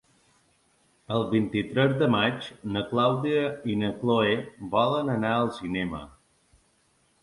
El vint-i-tres de maig na Clàudia i na Cloè volen anar al cinema.